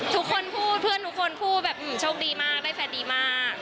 ทุกคนพูดเพื่อนทุกคนพูดแบบโชคดีมากได้แฟนดีมาก